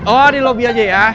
oh di lobby aja ya